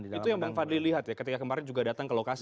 itu yang bang fadli lihat ya ketika kemarin juga datang ke lokasi